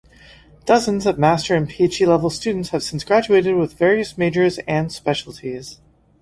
Dozens of Master and Ph.D-level students have since graduated with various majors and specialties.